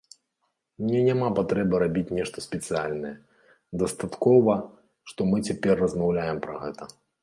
Мне няма патрэбы рабіць нешта спецыяльнае, дастаткова, што мы цяпер размаўляем пра гэта.